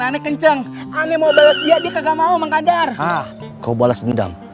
aneh kenceng aneh mau bales dia dia kagak mau mengandar kau bales dendam